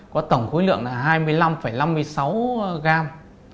có tổng khối lượng là hai mươi năm năm mươi sáu gram